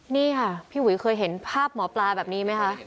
นี่ค่ะพี่หุยเคยเห็นภาพหมอปลาแบบนี้ไหมคะ